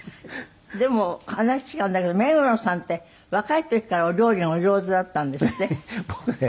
でも話違うんだけど目黒さんって若い時からお料理がお上手だったんですって？